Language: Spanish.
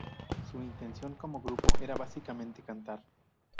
Su intención como grupo era básicamente cantar.